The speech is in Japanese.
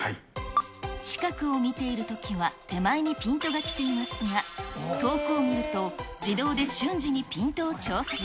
近くを見ているときは、手前にピントが来ていますが、遠くを見ると、自動で瞬時にピントを調節。